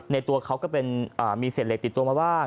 ในตัวเขาก็เป็นมีเศษเหล็กติดตัวมาบ้าง